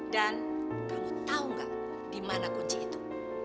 dan kamu tahu nggak di mana kunci itu